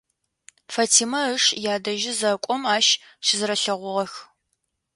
Фатимэ ыш ядэжьы зэкӏом ащ щызэрэлъэгъугъэх.